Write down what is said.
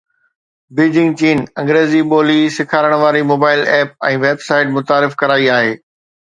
Beijing چين انگريزي ٻولي سيکارڻ واري موبائل ايپ ۽ ويب سائيٽ متعارف ڪرائي آهي